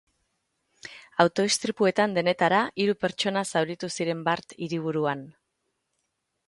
Auto istripuetan denetara hiru pertsona zauritu ziren bart hiriburuan.